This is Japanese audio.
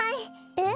えっ？